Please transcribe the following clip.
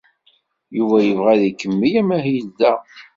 Yuba yebɣa ad ikemmel amahil da.